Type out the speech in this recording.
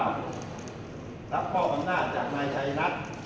รับมอบอำนาจจากนายชัยรัฐ